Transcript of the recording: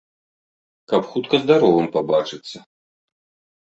Каб хутка здаровым пабачыцца.